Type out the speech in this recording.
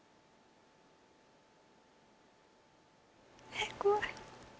えっ怖い。